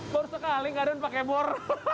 pur sekali nggak ada yang pakai bor